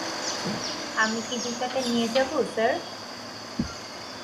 আমি কি জুতাটা নিয়ে যাবো, স্যার?